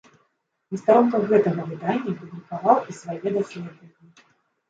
На старонках гэтага выдання публікаваў і свае даследаванні.